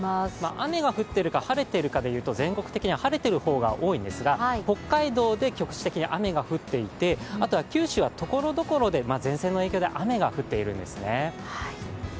雨が降っているか、晴れているかで言うと、全国的には晴れているところが多いんですが、北海道で局地的に雨が降っていてあとは九州はところどころで前線の影響で雨が降っているんですね。